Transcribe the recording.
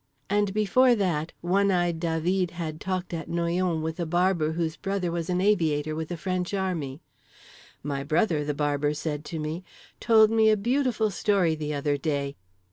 '"—And before that, One Eyed Dah veed had talked at Noyon with a barber whose brother was an aviator with the French Army: "'My brother,' the barber said to me, 'told me a beautiful story the other day.